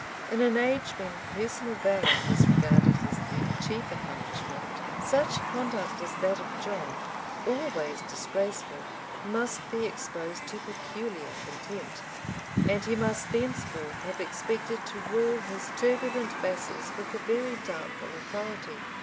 ] In an age when personal valor was regarded as the chief accomplishment, such conduct as that of John, always disgraceful, must be exposed to peculiar contempt; and he must thenceforth have expected to rule his turbulent vassals with a very doubtful authority.